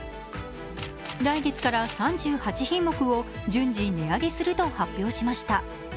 来月から３８品目を順次値上げすると発表しました。